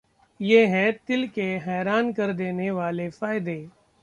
ये हैं तिल के हैरान कर देने वाले फायदे